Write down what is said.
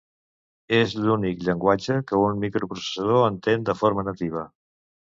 És l'únic llenguatge que un microprocessador entén de forma nativa.